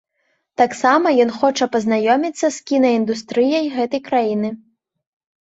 Таксама ён хоча пазнаёміцца з кінаіндустрыяй гэтай краіны.